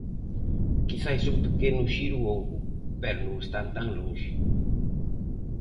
Quizais un pequeno xiro houbo, pero non están tan lonxe.